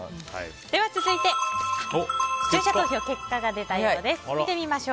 では続いて視聴者投票の結果が出たようです。